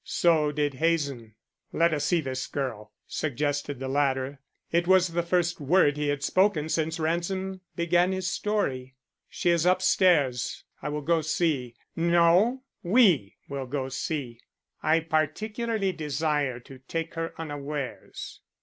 So did Hazen. "Let us see this girl," suggested the latter. It was the first word he had spoken since Ransom began his story. "She is up stairs. I will go see " "No, we will go see. I particularly desire to take her unawares."